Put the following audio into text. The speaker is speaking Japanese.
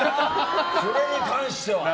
それに関しては。